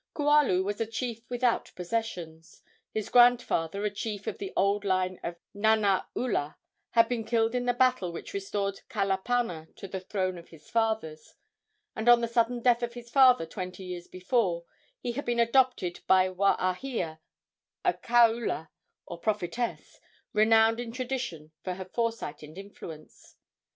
Kualu was a chief without possessions. His grandfather, a chief of the old line of Nanaula, had been killed in the battle which restored Kalapana to the throne of his fathers, and on the sudden death of his father, twenty years before, he had been adopted by Waahia, a kaula, or prophetess, renowned in tradition for her foresight and influence.